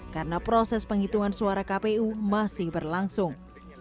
karena proses penghitungan suara kpu masih berlangsung